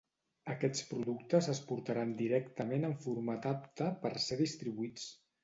Aquests productes es portaran directament en format apte per ser distribuïts.